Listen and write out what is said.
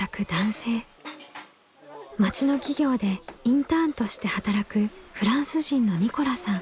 町の企業でインターンとして働くフランス人のニコラさん。